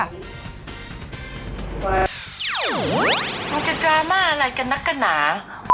มันจะดราม่าอะไรกันนักกันหนา